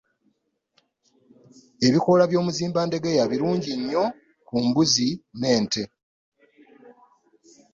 Ebikoola by’omuzimbandegeya birungi nnyo ku mbuzi n’ente.